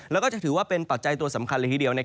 แล้วก็จะถือว่าเป็นปัจจัยตัวสำคัญเลยทีเดียว